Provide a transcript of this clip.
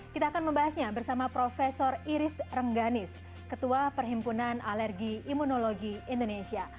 kita akan membahasnya bersama prof iris rengganis ketua perhimpunan alergi imunologi indonesia